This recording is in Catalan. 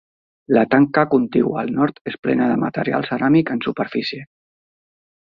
La tanca contigua al nord és plena de material ceràmic en superfície.